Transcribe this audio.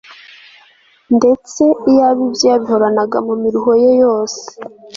ndetse iyaba ibyo yabihoranaga mu miruho ye yose